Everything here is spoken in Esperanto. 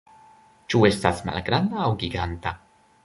Ĉu estas malgranda aŭ giganta?